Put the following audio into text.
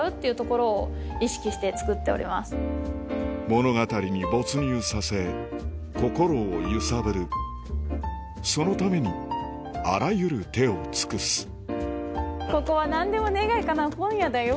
物語に没入させ心を揺さぶるそのためにあらゆる手を尽くすここは何でも願いかなう本屋だよ！